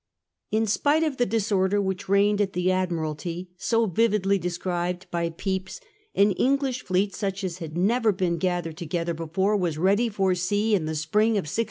In spite of the disorder which reigned at the Admi ralty, so vividly described by Pepys, an English fleet, The fleets suc k as never been gathered together before, was ready for sea in the spring of 1665.